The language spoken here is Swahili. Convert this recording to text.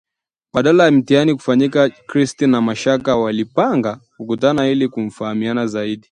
Baada ya mitihani kufanyika Chris na Mashaka walipanga kukutana ili kufahamiana zaidi